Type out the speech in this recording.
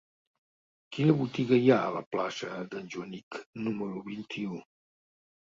Quina botiga hi ha a la plaça d'en Joanic número vint-i-u?